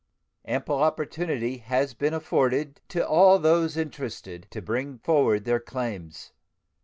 Ample opportunity has been afforded to all those interested to bring forward their claims.